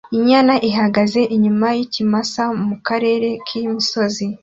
Inyana ihagaze inyuma yikimasa mu karere k'imisozi